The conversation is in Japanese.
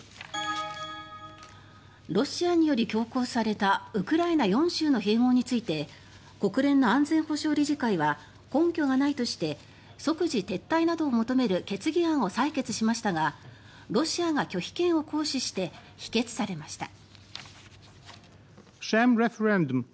ロシアにより強行されたウクライナ４州の併合について国連の安全保障理事会は根拠がないとして即時撤退などを求める決議案を採決しましたがロシアが拒否権を行使して否決されました。